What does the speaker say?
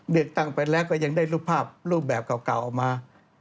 เลือกตั้งไปแล้วก็ยังได้รูปภาพรูปแบบเก่าออกมา